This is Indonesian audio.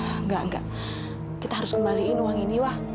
enggak enggak kita harus kembaliin uang ini wah